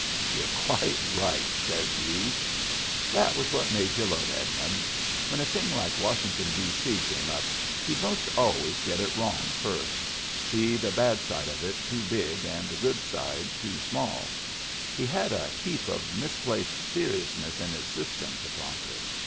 "You're quite right," says he. That was what made y'u love Edmund. When a thing like Washington, D.C., came up, he'd most always get it wrong first — see the bad side of it too big and the good side too small — he had a heap of misplaced seriousness in his system to conquer.